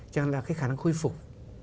chẳng hạn là cái khả năng khôi phục